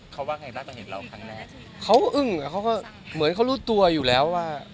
เขาว่าไงบ้างตอนเห็นเราครั้งแรกเขาอึ้งกับเขาก็เหมือนเขารู้ตัวอยู่แล้วว่า